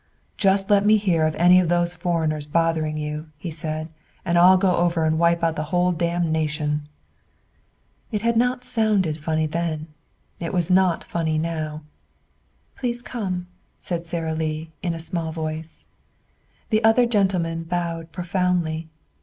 "Just let me hear of any of those foreigners bothering you," he said, "and I'll go over and wipe out the whole damned nation." It had not sounded funny then. It was not funny now. "Please come," said Sara Lee in a small voice. The other gentlemen bowed profoundly.